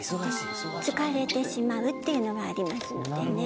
疲れてしまうっていうのがありますのでね。